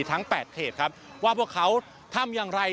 ทั้ง๘เพจครับว่าพวกเขาทำอย่างไร